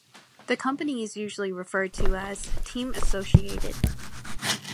The company is usually referred to as Team Associated.